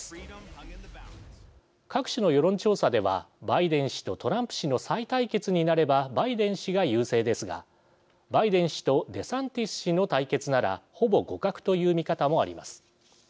各種の世論調査ではバイデン氏とトランプ氏の再対決になればバイデン氏が優勢ですがバイデン氏とデサンティス氏の対決ならほぼ互角という見方もあります。